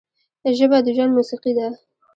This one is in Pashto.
ژبه د ژوند موسیقي ده